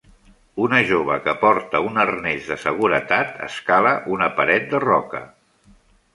Una jove que porta un arnès de seguretat escala una paret de roca.